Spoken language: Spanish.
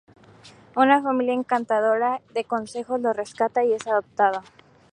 Una familia encantadora de conejos lo rescata y es adoptado.